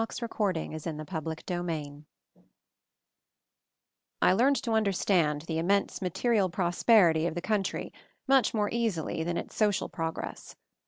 MOVING THE MOUNTAIN 191 CHAPTER IX I LEARNED to understand the im mense material prosperity of the country much more easily than its social progress.